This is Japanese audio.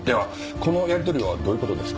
このやり取りはどういう事ですか？